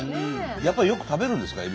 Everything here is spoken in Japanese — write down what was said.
やっぱりよく食べるんですか？